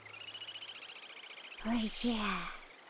おじゃ。